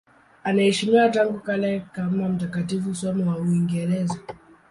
Anaheshimiwa tangu kale kama mtakatifu, somo wa Uingereza.